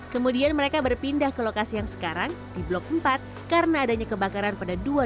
kemudian mereka berpindah ke lokasi yang sekarang di blok empat karena adanya kebakaran pada dua ribu dua puluh